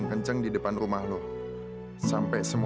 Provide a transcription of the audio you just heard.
aku ada di depan rumah kamu